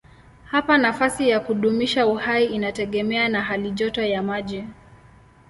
Hapa nafasi ya kudumisha uhai inategemea na halijoto ya maji.